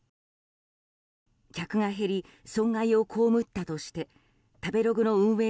客が減り、損害を被ったとして食べログの運営